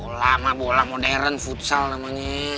bola sama bola modern futsal namanya